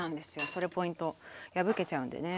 それポイント破けちゃうんでね。